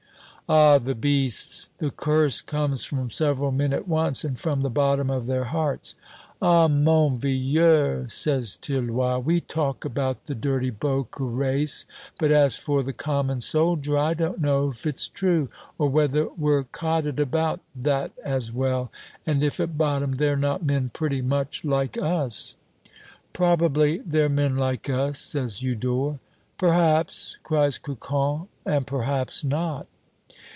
"Ah, the beasts!" The curse comes from several men at once and from the bottom of their hearts. "Ah, mon vieux," says Tirloir, "we talk about the dirty Boche race; but as for the common soldier, I don't know if it's true or whether we're codded about that as well, and if at bottom they're not men pretty much like us." "Probably they're men like us," says Eudore. "Perhaps!" cries Cocon, "and perhaps not."